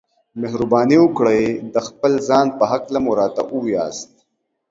مهرباني وکړئ د خپل ځان په هکله مو راته ووياست.